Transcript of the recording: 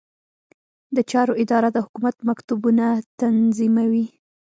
د چارو اداره د حکومت مکتوبونه تنظیموي